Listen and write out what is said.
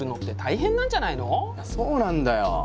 そうなんだよ。